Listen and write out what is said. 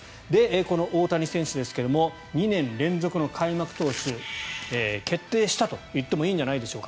この大谷選手ですが２年連続の開幕投手決定したと言ってもいいんじゃないでしょうか。